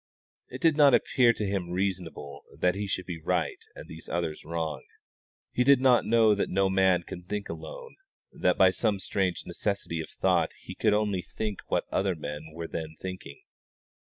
It did not appear to him reasonable that he could be right and these others wrong. He did not know that no man can think alone, that by some strange necessity of thought he could only think what other men were then thinking.